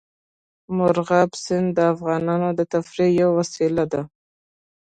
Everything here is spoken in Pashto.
مورغاب سیند د افغانانو د تفریح یوه وسیله ده.